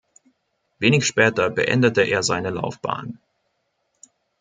Wenig später beendete er seine Laufbahn.